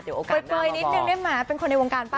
เดี๋ยวโอกาสนำมาบอกปล่อยนิดนึงได้ไหมเป็นคนในวงการป่ะ